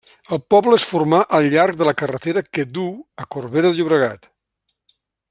El poble es formà al llarg de la carretera que duu a Corbera de Llobregat.